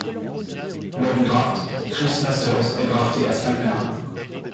Lors du draft, Chris Masters est drafté à Smackdown.